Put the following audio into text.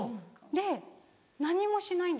で何もしないんですよ。